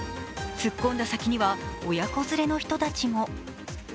突っ込んだ先には親子連れの人たちも。